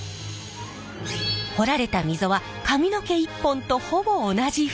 彫られた溝は髪の毛一本とほぼ同じ太さ。